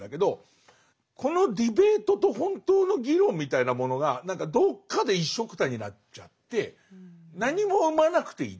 このディベートと本当の議論みたいなものが何かどっかで一緒くたになっちゃって何も生まなくていいっていう。